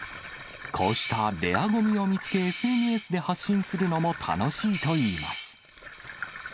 こうしたレアごみを見つけ、ＳＮＳで発信するのも楽しいといいます。